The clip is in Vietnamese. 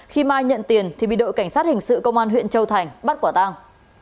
khi mai nhận tiền thì bị đội cảnh sát hình sự công an huyện châu thành bắt quả tang